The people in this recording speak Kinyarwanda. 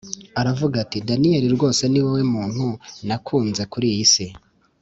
aravuga ati: daniel rwose niwowe muntu nakunze kuriyi si